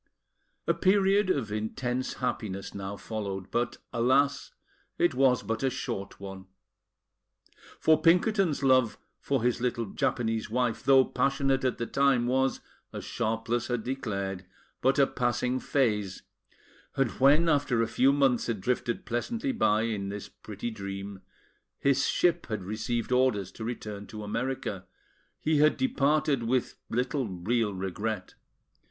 A period of intense happiness now followed; but, alas! it was but a short one. For Pinkerton's love for his little Japanese wife, though passionate at the time, was, as Sharpless had declared, but a passing phase; and when, after a few months had drifted pleasantly by in this pretty dream, his ship had received orders to return to America, he had departed with little real regret.